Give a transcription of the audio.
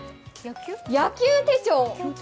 野球手帳。